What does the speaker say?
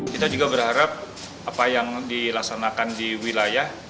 kita juga berharap apa yang dilaksanakan di wilayah